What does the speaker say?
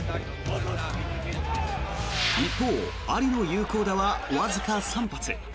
一方、アリの有効打はわずか３発。